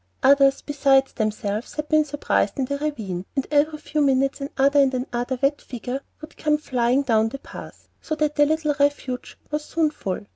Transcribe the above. Others besides themselves had been surprised in the ravine, and every few minutes another and another wet figure would come flying down the path, so that the little refuge was soon full.